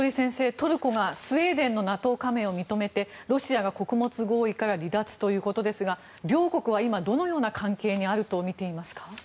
トルコがスウェーデンのＮＡＴＯ加盟を認めてロシアが穀物合意から離脱ということですが両国は今、どのような関係にあると見ていますか？